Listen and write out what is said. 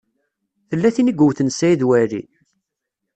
Tella tin i yewten Saɛid Waɛli?